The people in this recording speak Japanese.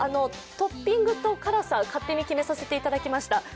トッピングと辛さは勝手に決めさせていただきました。